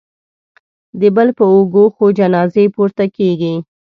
د بل په اوږو خو جنازې پورته کېږي